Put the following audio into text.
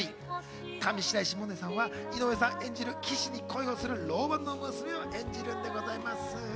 上白石萌音さんは井上さん演じる騎士に恋をする牢番の娘を演じるんです。